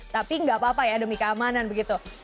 tapi nggak apa apa ya demi keamanan begitu